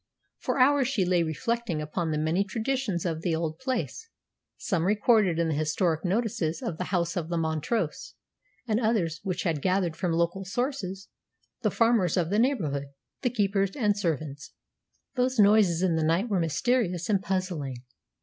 For hours she lay reflecting upon the many traditions of the old place, some recorded in the historic notices of the House of the Montrose, and others which had gathered from local sources the farmers of the neighbourhood, the keepers, and servants. Those noises in the night were mysterious and puzzling.